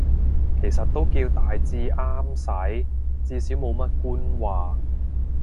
其實都叫大致啱使，至少冇乜官話